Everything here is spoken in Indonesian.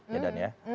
ya dan ya